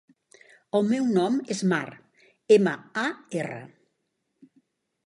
El meu nom és Mar: ema, a, erra.